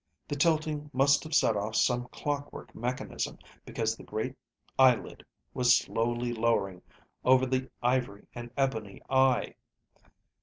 The tilting must have set off some clockwork mechanism, because the great eyelid was slowly lowering over the ivory and ebony eye.